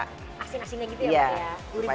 karena ada rasa asing asingnya gitu ya mbak ya